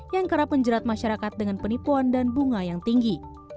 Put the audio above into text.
yang kerap menjerat masyarakat dengan penipuan dan bunga yang tinggi